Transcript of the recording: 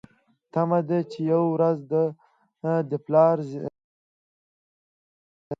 تمه ده چې یوه ورځ به د پلار ځایناستې شي.